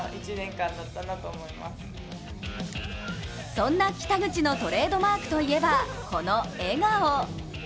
そんな北口のトレードマークといえば、この笑顔。